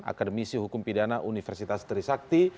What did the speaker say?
akademisi hukum pidana universitas trisakti